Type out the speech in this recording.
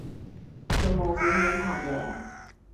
跳舞表演拍嘢